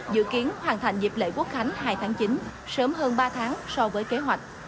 dự kiến hoàn thành dịp lễ quốc khánh hai tháng chín sớm hơn ba tháng so với kế hoạch